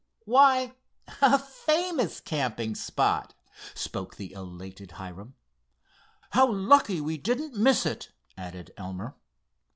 "Why, a famous camping spot," spoke the elated Hiram. "How lucky we didn't miss it," added Elmer.